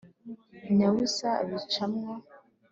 nyabusa abica mwo